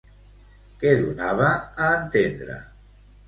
Què donava a entendre?